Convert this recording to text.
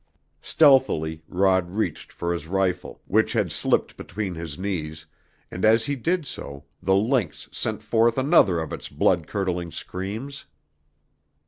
Stealthily Rod reached for his rifle, which had slipped between his knees, and as he did so the lynx sent forth another of its blood curdling screams.